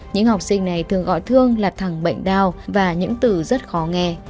những học sinh này thường gọi thương là thẳng bệnh đau và những từ rất khó nghe